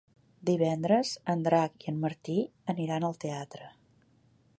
Divendres en Drac i en Martí aniran al teatre.